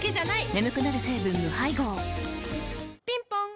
眠くなる成分無配合ぴんぽん